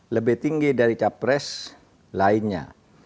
lebih tinggi dari capres lainnya